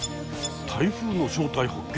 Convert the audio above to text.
台風の正体発見！